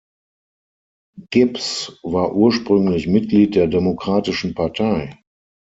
Gibbs war ursprünglich Mitglied der Demokratischen Partei.